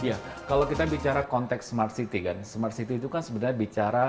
iya kalau kita bicara konteks smart city kan smart city itu kan sebenarnya bicara